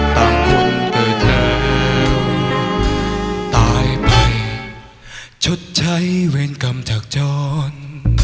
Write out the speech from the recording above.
ต่างคนเกิดแล้วตายไปชดใช้เวรกรรมจักรจร